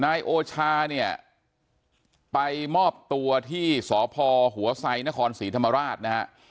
นายโอชาไปมอบตัวที่สพหน้าครมศรีธรรมารราช